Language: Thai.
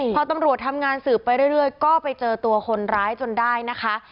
พอตำรวจทำงานสืบไปเรื่อยก็ไปเจอตัวคนร้ายจนได้นะคะ